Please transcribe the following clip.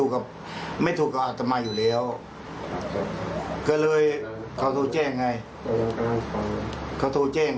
คุยกันตรง